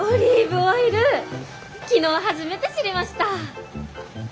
昨日初めて知りました！